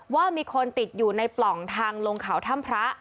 ว่ามีคนติดอยู่ในปล่องทางลงเขาถ้ำพระ